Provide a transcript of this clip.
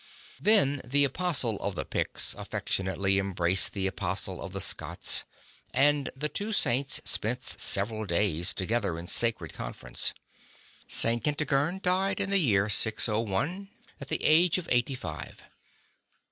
Then the Apostle of the Piets affectionately embraced the Apostle of the Scots, and the two Saints spent several days together in sacred conference. St. Kentigern died in the year 6oi at the age of eighty five.